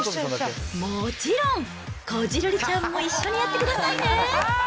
もちろん、こじるりちゃんも一緒にやってくださいね。